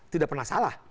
tidak pernah salah